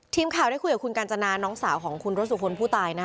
ทีมข่าวได้คุยกับคุณกาญจนาน้องสาวของคุณรถสุคลผู้ตายนะคะ